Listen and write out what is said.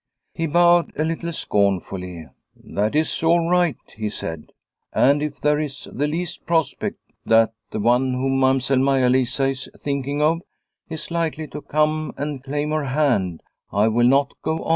..." He bowed a little scornfully. "That is all right," he said ;" and if there is the least prospect that the one whom Mamsell Maia Lisa is thinking of is likely to come and claim her hand, I will not go on."